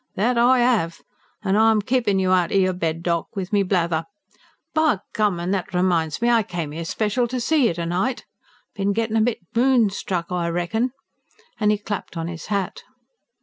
"That I 'ave. And I'm keepin' you outer your bed, doc., with me blather. By gum! and that reminds me I come 'ere special to see you to night. Bin gettin' a bit moonstruck, I reckon," and he clapped on his hat.